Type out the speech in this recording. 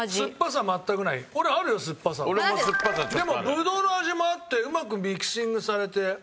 でもブドウの味もあってうまくミキシングされて。